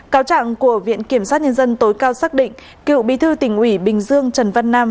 cáo trạng của viện kiểm sát nhân dân tối cao xác định cựu bí thư tỉnh ủy bình dương trần văn nam